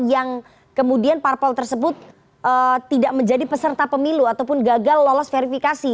yang kemudian parpol tersebut tidak menjadi peserta pemilu ataupun gagal lolos verifikasi